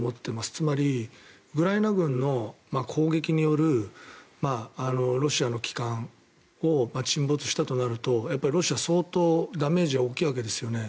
つまり、ウクライナ軍の攻撃によるロシアの旗艦を沈没したとなるとロシアは相当ダメージが大きいわけですよね。